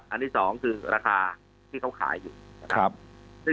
อันที่๒คือราคาที่เข้าขายอยู่